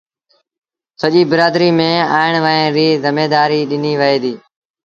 سڄيٚ برآدريٚ ميݩ اُيٚڻ ويهڻ ريٚ زميدآريٚ ڏنيٚ وهي ديٚ